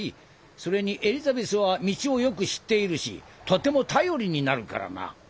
それにエリザベスは道をよく知っているしとても頼りになるからな。